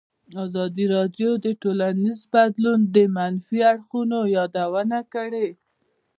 ازادي راډیو د ټولنیز بدلون د منفي اړخونو یادونه کړې.